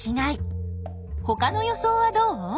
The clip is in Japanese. ほかの予想はどう？